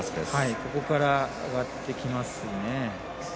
中盤から上がってきます。